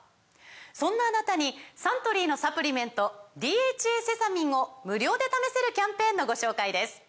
そんなあなたにサントリーのサプリメント「ＤＨＡセサミン」を無料で試せるキャンペーンのご紹介です